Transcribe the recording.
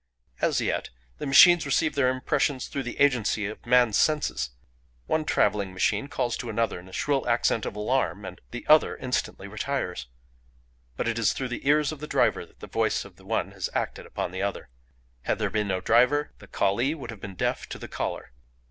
"As yet the machines receive their impressions through the agency of man's senses: one travelling machine calls to another in a shrill accent of alarm and the other instantly retires; but it is through the ears of the driver that the voice of the one has acted upon the other. Had there been no driver, the callee would have been deaf to the caller.